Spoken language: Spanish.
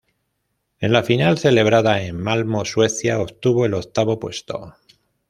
En la final celebrada en Malmö, Suecia, obtuvo el octavo puesto.